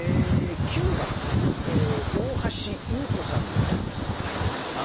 ９番大橋祐子さんの句です。